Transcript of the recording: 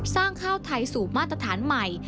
ข้าวไทยสู่มาตรฐานใหม่